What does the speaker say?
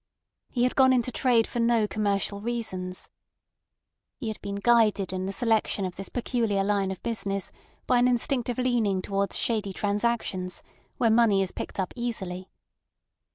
He had gone into trade for no commercial reasons. He had been guided in the selection of this peculiar line of business by an instinctive leaning towards shady transactions, where money is picked up easily.